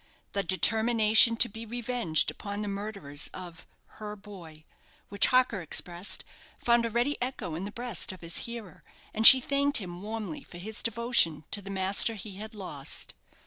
The determination to be revenged upon the murderers of "her boy" which Harker expressed, found a ready echo in the breast of his hearer, and she thanked him warmly for his devotion to the master he had lost.